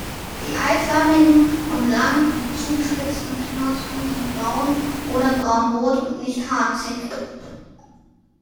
Die eiförmigen und lang zugespitzten Knospen sind braun oder braunrot und nicht harzig.